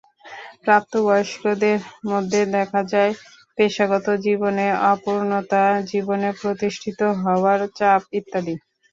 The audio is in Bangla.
প্রাপ্তবয়স্কদের মধ্যে দেখা যায়, পেশাগত জীবনে অপূর্ণতা, জীবনে প্রতিষ্ঠিত হওয়ার চাপ ইত্যাদি।